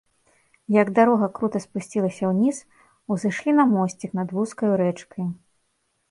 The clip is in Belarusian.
Як дарога крута спусцілася ўніз, узышлі на мосцік над вузкаю рэчкаю.